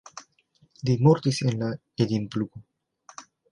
Li mortis la en Edinburgo.